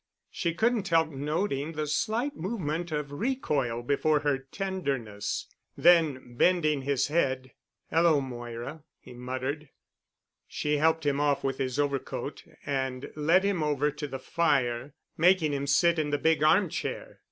She couldn't help noting the slight movement of recoil before her tenderness. Then, bending his head, "Hello, Moira," he muttered. She helped him off with his overcoat and led him over to the fire, making him sit in the big arm chair.